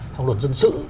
trong luật dân sự